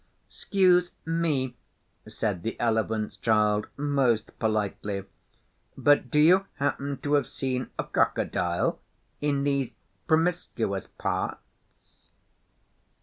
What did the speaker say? ''Scuse me,' said the Elephant's Child most politely, 'but do you happen to have seen a Crocodile in these promiscuous parts?